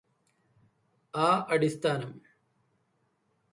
ആ അടിസ്ഥാനം